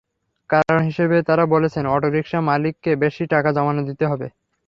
কারণ হিসেবে তাঁরা বলছেন, অটোরিকশার মালিককে বেশি টাকা জমা দিতে হয়।